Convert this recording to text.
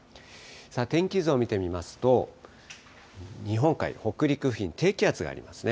天気図を見てみますと、日本海、北陸付近、低気圧がありますね。